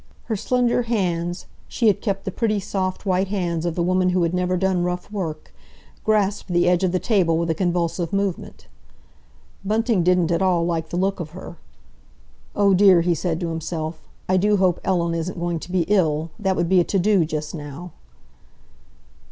Her slender hands—she had kept the pretty, soft white hands of the woman who has never done rough work—grasped the edge of the table with a convulsive movement. Bunting didn't at all like the look of her. "Oh, dear," he said to himself, "I do hope Ellen isn't going to be ill! That would be a to do just now."